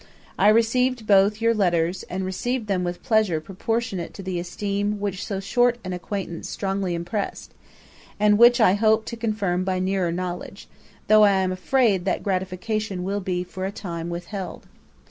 I received both your letters, and received them with pleasure proportionate to the esteem which so short an acquaintance strongly impressed, and which I hope to confirm by nearer knowledge, though I am afraid that gratification will be for a time withheld.